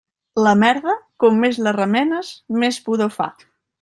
La merda, com més la remenes, més pudor fa.